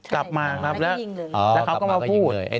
กลับมาครับแล้วเขาก็มาพูด